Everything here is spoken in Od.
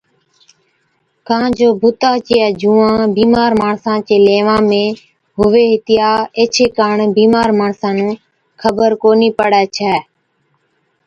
ڪان جو بُتا چِيا جُوئان بِيمار ماڻسا چي ليوان ۾ هُوي هِتِيا ايڇي ڪاڻ بِيمار ماڻسا نُون خبر ڪونهِي پڙَي ڇَي